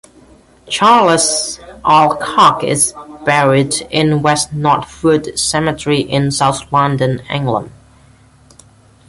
Charles Alcock is buried in West Norwood Cemetery in south London, England.